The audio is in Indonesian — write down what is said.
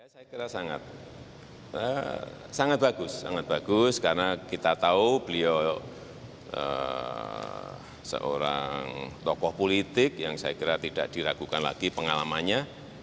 saya kira sangat bagus sangat bagus karena kita tahu beliau seorang tokoh politik yang saya kira tidak diragukan lagi pengalamannya